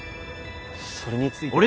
それについては。